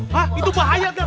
hah itu bahaya kan